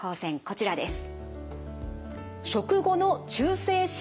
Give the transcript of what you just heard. こちらです。